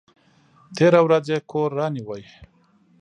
تېره ورځ یې کور رانیوی!